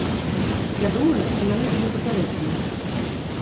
Я думаю, што яны былі папярэджаны.